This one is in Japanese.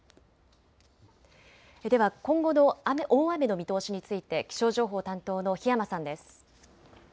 では今後の大雨の見通しについて気象情報担当の檜山さんです。